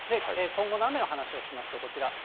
今後の雨の話をしますと、こちら。